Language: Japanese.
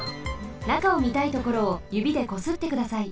中をみたいところをゆびでこすってください。